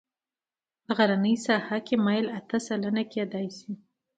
په غرنۍ ساحه کې میل اته سلنه کیدی شي